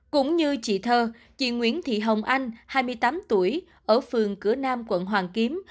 cũng như chị thơ chị nguyễn thị hồng anh hai mươi tám tuổi ở phường cửa nam quận hoàn kiếm